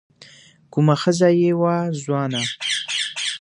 کومه ښځه يې وه ځوانه